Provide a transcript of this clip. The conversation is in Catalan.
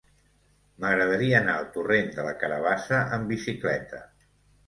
M'agradaria anar al torrent de la Carabassa amb bicicleta.